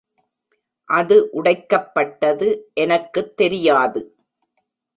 அது உடைக்கப்பட்டது எனக்கு தெரியாது!